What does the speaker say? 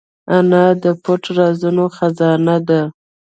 انا د پټ رازونو خزانه ده